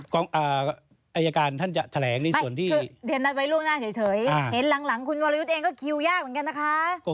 ก็คิวยากเหมือนกันนะคะ